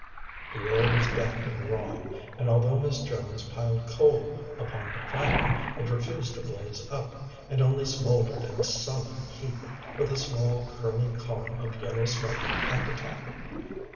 The air was damp and raw; and although Miss Jones piled coal upon the fire, it refused to blaze up, and only smouldered in a sullen heap, with a small curling column of yellow smoke at the top.